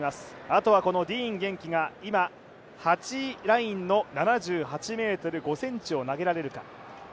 あとはディーン元気が今、８位ラインの７８ｍ５ｃｍを投げられるか。